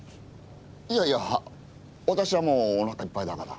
いやいや私はもうおなかいっぱいだから。